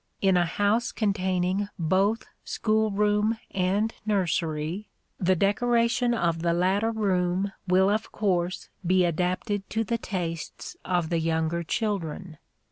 In a house containing both school room and nursery, the decoration of the latter room will of course be adapted to the tastes of the younger children.